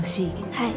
はい。